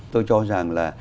tôi cho rằng là